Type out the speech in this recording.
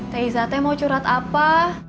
teh zatnya mau curhat apa